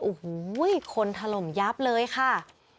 โอ้โหคนถล่มยับเลยค่ะ